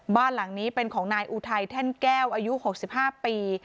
บ้านหลังนี้เป็นของนายอุทัยแท่นแก้วอายุ๖๕ปี